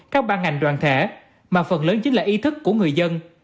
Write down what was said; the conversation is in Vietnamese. các ban ngành đoàn thể mà phần lớn chính là ý thức của người dân